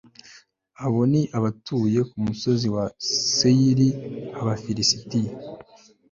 abo ni abatuye ku musozi wa seyiri, abafilisiti